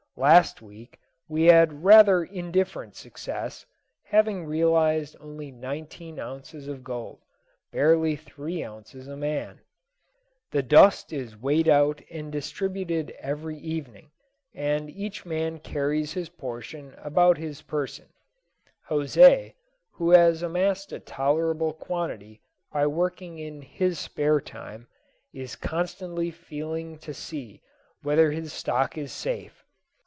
Last week we had rather indifferent success, having realized only nineteen ounces of gold, barely three ounces a man. The dust is weighed out and distributed every evening, and each man carries his portion about his person. José, who has amassed a tolerable quantity by working in his spare time, is constantly feeling to see whether his stock is safe.